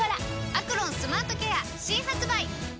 「アクロンスマートケア」新発売！